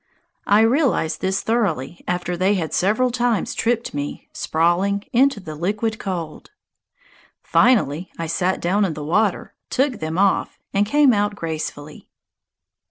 I realized this thoroughly after they had several times tripped me, sprawling, into the liquid cold. Finally I sat down in the water, took them off, and came out gracefully.